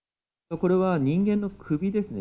これは人間の首ですね。